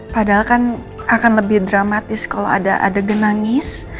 padahal kan akan lebih dramatis kalo ada adegan nangis